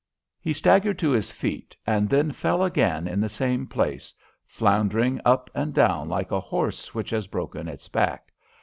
He staggered to his feet, and then fell again in the same place, floundering up and down like a horse which has broken its back.